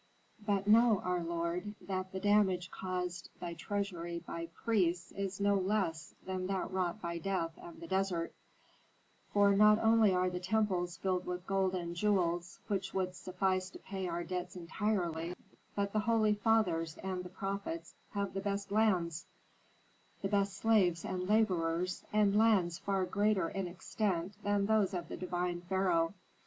But know, our lord, that the damage caused thy treasury by priests is no less than that wrought by death and the desert; for not only are the temples filled with gold and jewels, which would suffice to pay our debts entirely, but the holy fathers and the prophets have the best lands, the best slaves and laborers, and lands far greater in extent than those of the divine pharaoh.